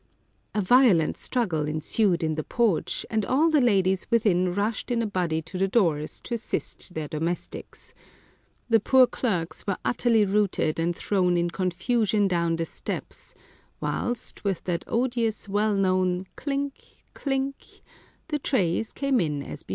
A violent struggle ensued in the porch, and all the ladies within rushed in a body to the doors, to assist their domestics. The poor clerks were utterly routed and thrown in confusion down the steps, whilst, with that odious well known clink, clink, the trays came in as before.